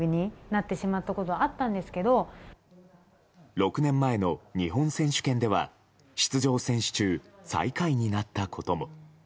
６年前の日本選手権では出場選手中最下位になったことも。